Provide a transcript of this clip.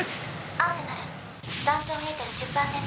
アーセナル残存エーテル１０％。